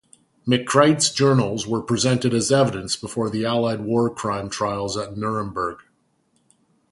McCright's journals were presented as evidence before the allied war crimes trials at Nuremberg.